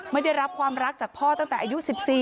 ไม่ได้รับความรักจากพ่อตั้งแต่อายุ๑๔